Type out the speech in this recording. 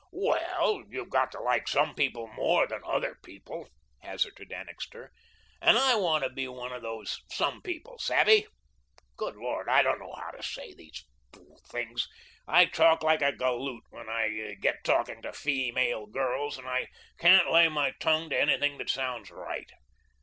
"Well, you've got to like some people more than other people," hazarded Annixter, "and I want to be one of those 'some people,' savvy? Good Lord, I don't know how to say these fool things. I talk like a galoot when I get talking to feemale girls and I can't lay my tongue to anything that sounds right.